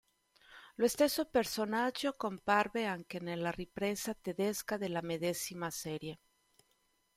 Lo stesso personaggio comparve anche nella ripresa tedesca della medesima serie.